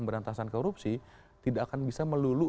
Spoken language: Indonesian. pemberantasan korupsi tidak akan bisa melulu